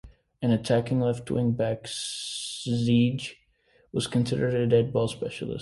An attacking left wing-back, Ziege was considered a dead-ball specialist.